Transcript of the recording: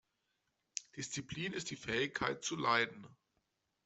Disziplin ist die Fähigkeit zu leiden.